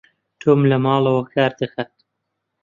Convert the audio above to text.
تۆم لە ماڵەوە کار دەکات.